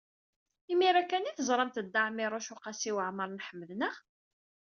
Imir-a kan ay teẓramt Dda Ɛmiiruc u Qasi Waɛmer n Ḥmed, naɣ?